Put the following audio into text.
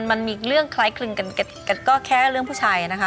มันมีเรื่องคล้ายคลึงกันก็แค่เรื่องผู้ชายนะคะ